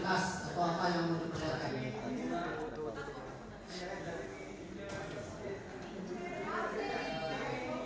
atau kata yang tadi disampaikan